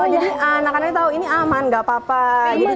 jadi anak anaknya tahu ini aman nggak apa apa